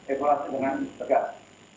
evaluasi dengan tegak